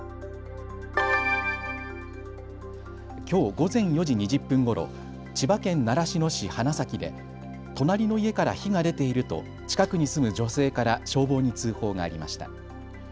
きょう午前４時２０分ごろ千葉県習志野市花咲で隣の家から火が出ていると近くに住む女性から消防に通報がありました。